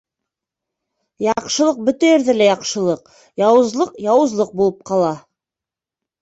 Яҡшылыҡ — бөтә ерҙә лә яҡшылыҡ, яуызлыҡ яуызлыҡ булып ҡала.